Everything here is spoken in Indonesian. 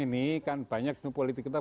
ini kan banyak itu politik kita